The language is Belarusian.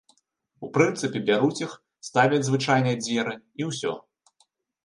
У прынцыпе, бяруць іх, ставяць звычайныя дзверы, і ўсё!